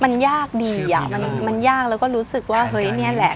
มันยากดีอ่ะมันยากแล้วก็รู้สึกว่าเฮ้ยนี่แหละ